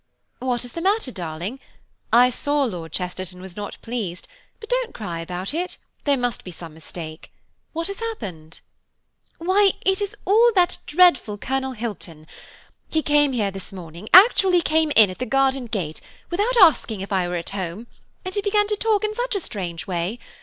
"What is the matter, darling? I saw Lord Chesterton was not pleased, but don't cry about it–there must be some mistake. What has happened?" "Why, it is all that dreadful Colonel Hilton. He came here this morning, actually came in at the garden gate, without asking if I were at home, and he began to talk in such a strange way.